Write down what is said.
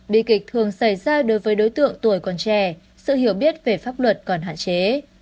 bi kịch thường xảy ra đối với đối tượng tuổi còn trẻ sự hiểu biết về pháp luật còn hạn chế